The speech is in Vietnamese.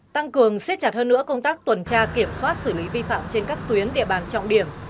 tăng cường xếp chặt hơn nữa công tác tuần tra kiểm soát xử lý vi phạm trên các tuyến địa bàn trọng điểm